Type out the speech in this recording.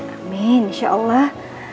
amin insya allah